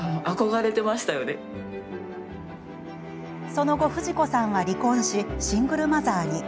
その後、フジ子さんは離婚しシングルマザーに。